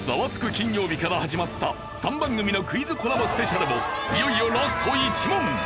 金曜日』から始まった３番組のクイズコラボスペシャルもいよいよラスト１問。